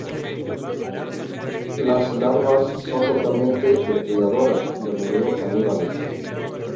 Las larvas son totalmente depredadoras, y a menudo caníbales.